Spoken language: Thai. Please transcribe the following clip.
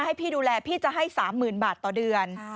ให้พี่ดูแลพี่จะให้๓๐๐๐บาทต่อเดือน